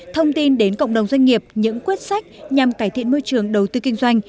thông tin đến cộng đồng doanh nghiệp những quyết sách nhằm cải thiện môi trường đầu tư kinh doanh